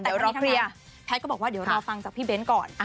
แต่ตอนนี้ทางนั้นแพทย์ก็บอกว่าเดี๋ยวรอฟังจากพี่เบ้นก่อน